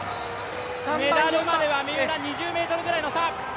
メダルまでは三浦２０ｍぐらいの差。